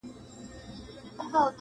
مثبت فکر انسان بریا ته رسوي